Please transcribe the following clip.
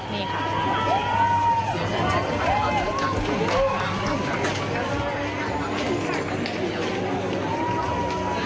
นี่ค่ะ